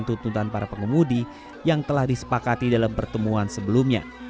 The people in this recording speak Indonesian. tuntutan para pengemudi yang telah disepakati dalam pertemuan sebelumnya